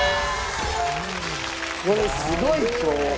これすごいこう。